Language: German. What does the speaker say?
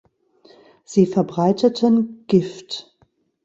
Sie verbreiteten „Gift“.